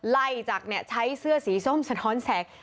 ไล่จากเนี่ยใช้เสื้อสีส้มสะนอนแสง